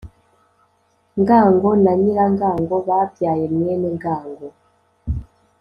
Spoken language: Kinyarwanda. ngango na nyirangango babyaye mwenengango